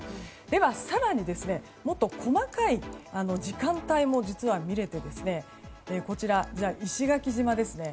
では、更にもっと細かい時間帯も実は見れてですね石垣島ですね。